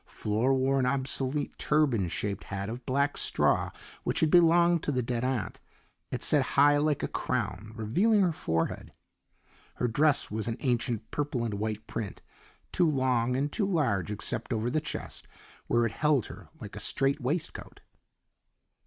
Flora wore an obsolete turban shaped hat of black straw which had belonged to the dead aunt; it set high like a crown, revealing her forehead. Her dress was an ancient purple and white print, too long and too large except over the chest, where it held her like a straight waistcoat.